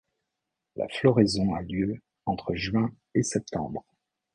La floraison a lieu entre juin et septembre.